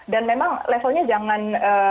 dan memang levelnya jangan